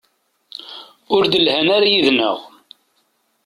Ur d-lhan ara yid-neɣ.